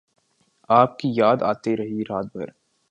آپ کی یاد آتی رہی رات بھر